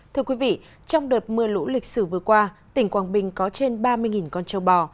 thưa quý vị trong đợt mưa lũ lịch sử vừa qua tỉnh quảng bình có trên ba mươi con châu bò